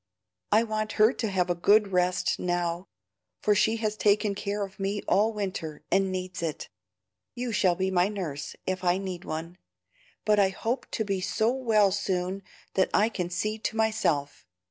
I want her to have a good rest now, for she has taken care of me all winter and needs it. You shall be my nurse, if I need one; but I hope to be so well soon that I can see to myself.